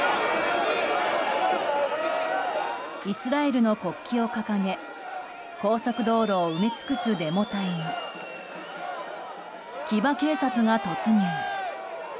イスラエルの国旗を掲げ高速道路を埋め尽くすデモ隊に騎馬警察が突入。